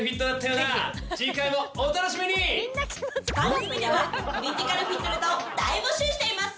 番組ではクリティカルフィットネタを大募集しています。